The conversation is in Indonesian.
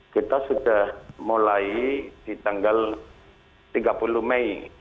kita sudah mulai di tanggal tiga puluh mei